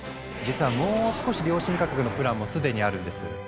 実はもう少し良心価格のプランも既にあるんです。